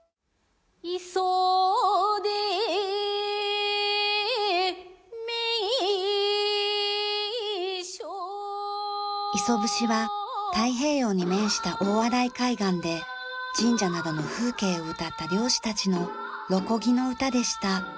「磯で名所」磯節は太平洋に面した大洗海岸で神社などの風景を歌った漁師たちの櫓漕ぎの歌でした。